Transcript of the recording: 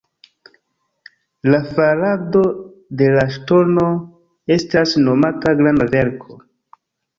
La farado de la Ŝtono estas nomata Granda Verko.